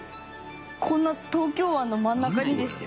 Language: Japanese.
こんな東京湾の真ん中にですよ。